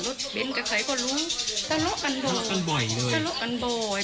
รถเบ้นกับใครก็รู้สละกันบ่อยสละกันบ่อย